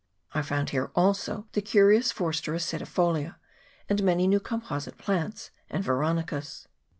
I found here also the curious Forstera sedifolia, and many new composite plants and Veronicas.